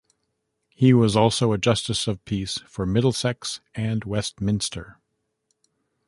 He was also a Justice of Peace for Middlesex and Westminster.